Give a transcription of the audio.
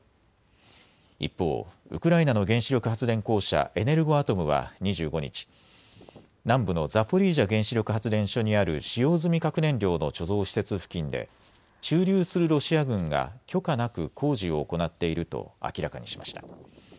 一方、ウクライナの原子力発電公社エネルゴアトムは２５日、南部のザポリージャ原子力発電所にある使用済み核燃料の貯蔵施設付近で駐留するロシア軍が許可なく工事を行っていると明らかにしました。